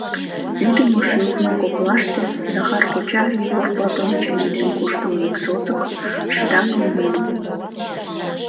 Ӱдымӧ шурно коклаште Захар коча Егор Платонычын ӱден-куштымо ик сотык шыдаҥым муын.